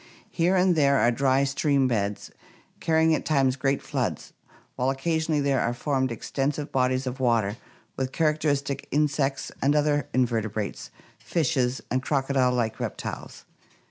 Here 530 ORGANIC EVOLUTION and there are dry stream beds carrying at times great floods, while occasionally there are formed extensive bodies of water with char acteristic insects and other invertebrates, fishes, and crocodile like reptiles.